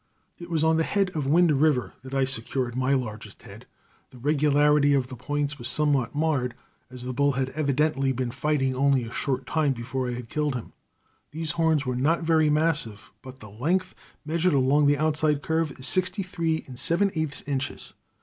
It was on the head of Wind River that I secured my largest head. The regularity of the points was somewhat marred, as the bull had evidently been fighting only a short time before I killed him. These horns were not very massive, but the length, measured along the outside curve, is sixty three and seven eighths inches.